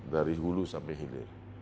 dari hulu sampai hilir